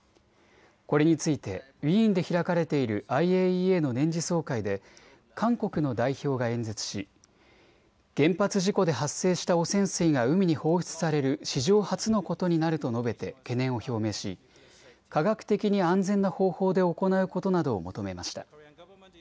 これについて委員で開かれているＩＡＥＡの年次総会で韓国の代表が演説し原発事故で発生した汚染水が海に放出される史上初のことになると述べて懸念を表明し科学的に安全な方法で行うことなどを求めました。